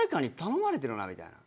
みたいな。